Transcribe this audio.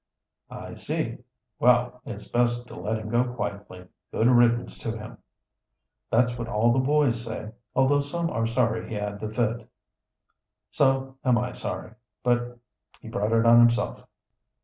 "I see. Well, it's best to let him go quietly. Good riddance to him." "That's what all the boys say, although some are sorry he had the fit." "So am I sorry; but he brought it on himself."